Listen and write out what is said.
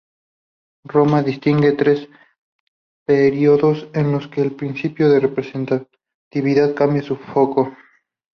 Rama distingue tres periodos en los que el principio de representatividad cambia su foco.